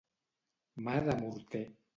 Mà de morter.